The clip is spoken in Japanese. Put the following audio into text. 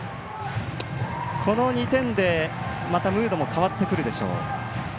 この２点で、ムードも変わってくるでしょう。